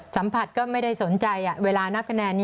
สัมผัสก็ไม่ได้สนใจเวลานับคะแนน